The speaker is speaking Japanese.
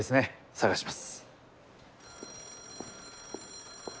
捜します。